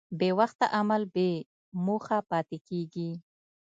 بېوخته عمل بېموخه پاتې کېږي.